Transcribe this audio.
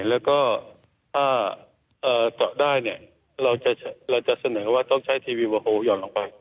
แล้วก็ถ้าเจาะได้เนี่ยเราจะเสนอว่าต้องใช้ทีวีวาโฮลห่อนลงไป